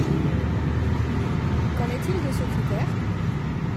Qu’en est-il de ce critère ?